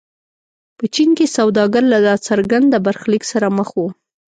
په چین کې سوداګر له ناڅرګند برخلیک سره مخ وو.